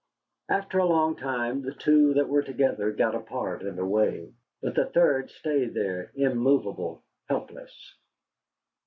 After a long time the two that were together got apart and away. But the third stayed there, immovable, helpless.